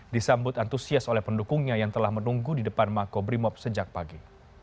disambut antusias oleh pendukungnya yang telah menunggu di depan makobrimob sejak pagi